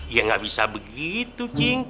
ya gak bisa begitu cing